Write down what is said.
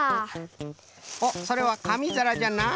おっそれはかみざらじゃな。